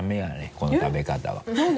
この食べ方は。えっ？